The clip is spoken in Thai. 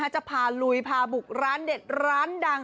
จะพาลุยพาบุกร้านเด็ดร้านดัง